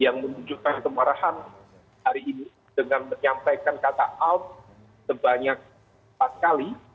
yang menunjukkan kemarahan hari ini dengan menyampaikan kata out sebanyak empat kali